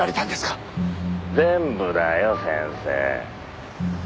「全部だよ先生」